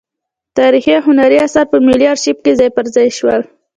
تاریخي او هنري اثار په ملي ارشیف کې ځای پر ځای شول.